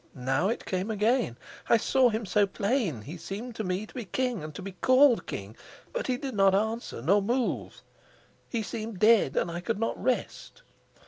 Now it came again. I saw him so plain. He seemed to me to be king, and to be called king. But he did not answer nor move. He seemed dead; and I could not rest."